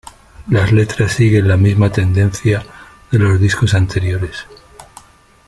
Las letras siguen la misma tendencia de los discos anteriores.